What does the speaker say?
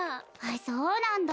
そうなんだ！